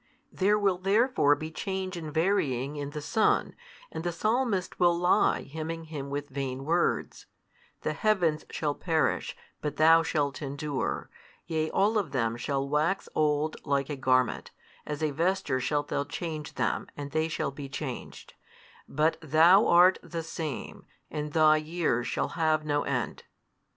There will therefore be change and varying in the Son: and the Psalmist will lie hymning Him with vain words, The heavens |187 shall perish, but Thou shalt endure: yea all of them shall wax old like a garment, as a vesture shalt Thou change them and they shall be changed: but Thou art the Same, and Thy years shall have no end.